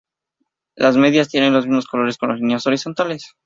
Las medias tienen los mismos colores con las líneas horizontales.